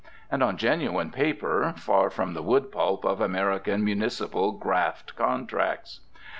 And on genuine paper, far from the woodpulp of American municipal graft contracts.